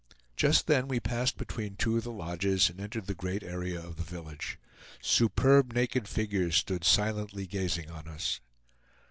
Just then we passed between two of the lodges, and entered the great area of the village. Superb naked figures stood silently gazing on us.